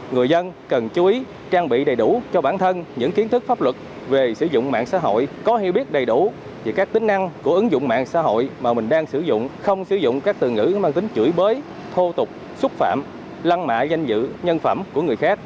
người dân cần chú ý trang bị đầy đủ cho bản thân những kiến thức pháp luật về sử dụng mạng xã hội có hiểu biết đầy đủ về các tính năng của ứng dụng mạng xã hội mà mình đang sử dụng không sử dụng các từ ngữ mang tính chửi bới thô tục xúc phạm lăng mạ danh dự nhân phẩm của người khác